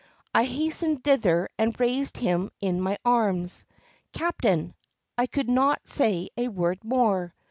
I hastened thither and raised him in my arms. "Captain!" I could not say a word more.